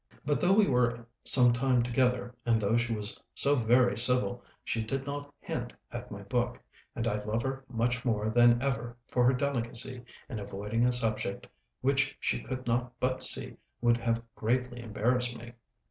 But though we were some time together, and though she was so very civil, she did not hint at my book, and I love her much more than ever for her delicacy in avoiding a subject which she could not but see would have greatly embarrassed me.